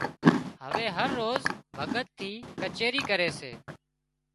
هوي هروز ڀڳت ٿِي ڪچيرِي ڪري سي